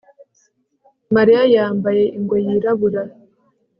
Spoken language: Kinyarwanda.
Mariya yambaye ingwe yirabura